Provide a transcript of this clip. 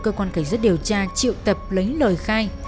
cơ quan cảnh sát điều tra triệu tập lấy lời khai